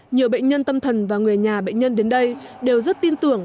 nhiều bệnh nhân tâm thần và người nhà bệnh nhân đến đây đều rất tin tưởng